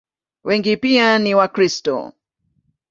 Wengi pia ni Wakristo.